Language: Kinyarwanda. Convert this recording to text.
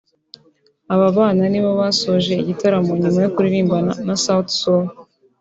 Aba bana nibo basoje igitaramo nyuma yo kuririmbana na Suti sol